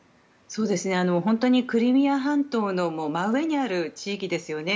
本当にクリミア半島の真上にある地域ですよね。